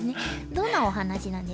どんなお話なんですか？